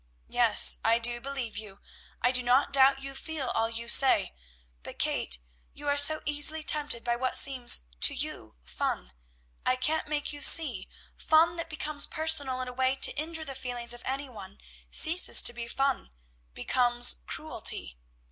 Yes! I do believe you: I do not doubt you feel all you say; but, Kate, you are so easily tempted by what seems to you fun. I can't make you see, fun that becomes personal in a way to injure the feelings of any one ceases to be fun, becomes cruelty.